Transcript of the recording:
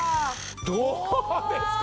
どうですか？